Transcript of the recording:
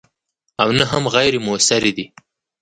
او نه هم غیر موثرې دي.